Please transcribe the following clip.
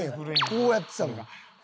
こうやってたもん。